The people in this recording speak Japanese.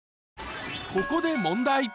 ここで問題。